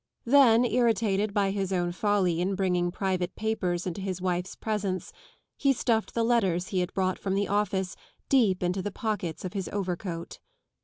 Then, irritated by his own folly in bringing private papers into his wife's presence, he stuffed the letters he had brought from the office deep into the pockets of his overcoat.